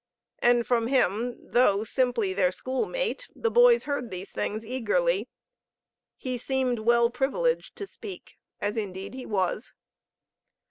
And from him, though simply their school mate, the boys heard these things eagerly. He seemed well privileged to speak, as indeed he was.